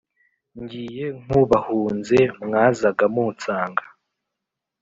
Ngiye nk’ubahunze Mwazaga munsanga;